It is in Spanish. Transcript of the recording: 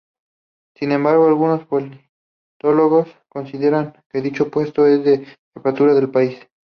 Sin embargo, algunos politólogos consideran que dicho puesto es de la jefatura del país.